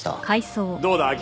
どうだ？